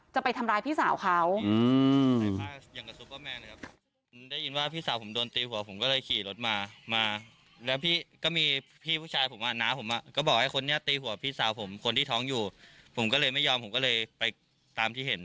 จะไปทำร้ายพี่สาวเขา